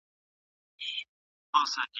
دلته د رنګ او د تزویر خرقې کوثر نیولی